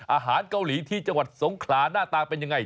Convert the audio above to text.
อาหารเกาหลีที่จังหวัดสงขลาหน้าตาเป็นยังไง